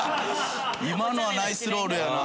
今のはナイスロールやな。